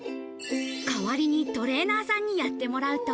代わりにトレーナーさんにやってもらうと。